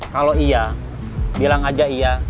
kalau iya bilang aja iya